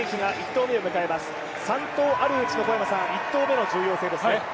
３投あるうちの１投目の重要性ですね。